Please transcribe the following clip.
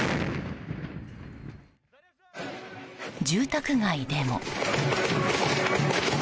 住宅街でも。